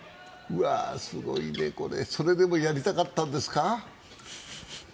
すごいね、これそれでもやりたかったんですか？